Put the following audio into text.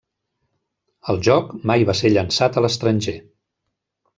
El joc mai va ser llançat a l'estranger.